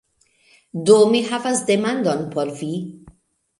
Do, mi havas demandon por vi